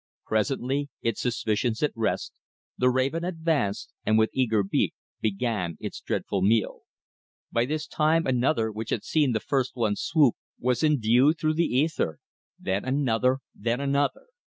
Presently, its suspicions at rest, the raven advanced, and with eager beak began its dreadful meal. By this time another, which had seen the first one's swoop, was in view through the ether; then another; then another.